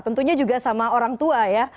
tentunya juga sama orang tua ya